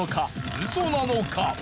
ウソなのか？